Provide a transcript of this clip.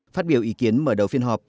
phát biểu ý kiến mở đầu phiên họp